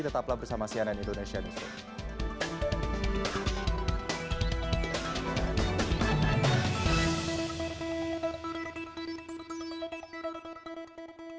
tetaplah bersama cnn indonesia newsroom